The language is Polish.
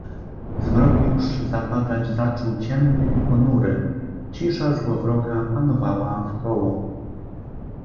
"Zmrok już zapadać zaczął ciemny i ponury, cisza złowroga panowała w koło."